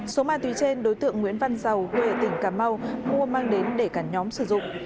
số ma túy trên đối tượng nguyễn văn giàu quê tỉnh cà mau mua mang đến để cả nhóm sử dụng